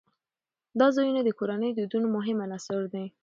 دا ځایونه د کورنیو د دودونو مهم عنصر دی.